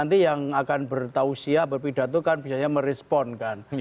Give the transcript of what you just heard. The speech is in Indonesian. nanti yang akan bertausia berpidato kan biasanya merespon kan